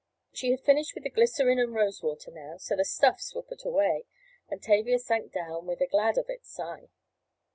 She had finished with the glycerine and rose water now, so the "stuffs" were put away and Tavia sank down with a "glad of it" sigh.